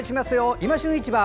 「いま旬市場」